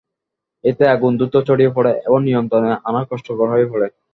এতে আগুন দ্রুত ছড়িয়ে পড়ে এবং নিয়ন্ত্রণে আনা কষ্টকর হয়ে পড়ে।